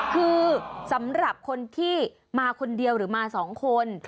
คือสำหรับคนที่มาคนเดียวหรือมา๒คน